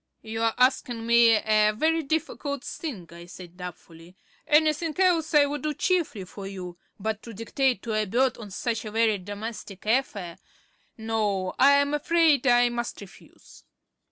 "You're asking me a very difficult thing," I said doubtfully. "Anything else I would do cheerfully for you; but to dictate to a bird on such a very domestic affair No, I'm afraid I must refuse."